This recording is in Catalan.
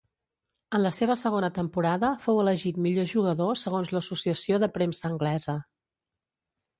En la seva segona temporada fou elegit millor jugador segons l'associació de premsa anglesa.